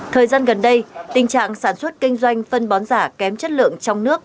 thời gian gần đây tình trạng sản xuất kinh doanh phân bón giả kém chất lượng trong nước